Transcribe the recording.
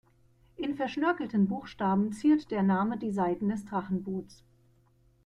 In verschnörkelten Buchstaben ziert der Name die Seiten des Drachenboots.